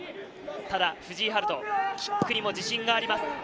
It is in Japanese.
ただ、藤井陽登、キックにも自信があります。